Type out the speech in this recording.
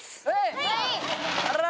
はい！